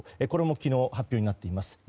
これも昨日、発表になっています。